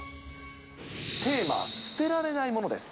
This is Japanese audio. テーマ、捨てられない物です。